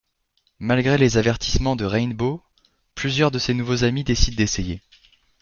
Malgré les avertissements de Rainbow, plusieurs de ses nouveaux amis décident d'essayer.